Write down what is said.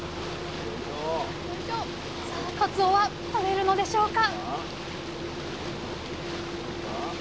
さあかつおは取れるのでしょうか？